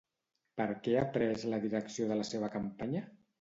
Per què ha pres la direcció de la seva campanya?